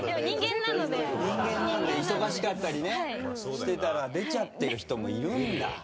人間なので忙しかったりしてたら出ちゃってる人もいるんだ。